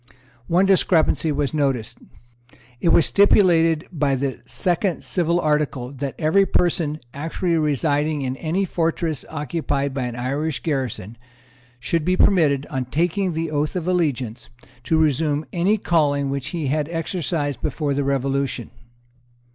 One discrepancy was noticed. It was stipulated by the second civil article, that every person actually residing in any fortress occupied by an Irish garrison, should be permitted, on taking the Oath of Allegiance, to resume any calling which he had exercised before the Revolution.